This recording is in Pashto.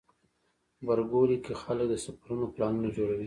غبرګولی کې خلک د سفرونو پلانونه جوړوي.